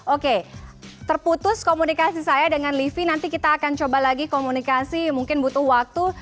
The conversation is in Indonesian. oke terputus komunikasi saya dengan livi nanti kita akan coba lagi komunikasi mungkin butuh waktu